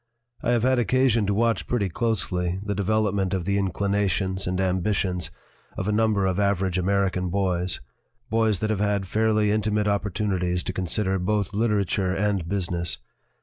"I have had occasion to watch pretty closely the development of the inclinations and ambi tions of a number of average American boys boys that have had fairly intimate opportunities to consider both literature and business.